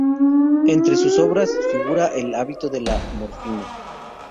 Entre sus obras figura "El hábito de la morfina".